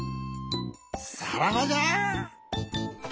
さらばじゃ！